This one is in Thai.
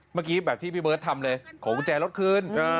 เมื่อกี้แบบที่พี่เบิร์ตทำเลยขอกุญแจรถคืน